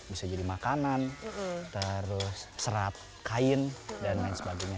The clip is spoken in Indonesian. bisa jadi makanan terus serat kain dan lain sebagainya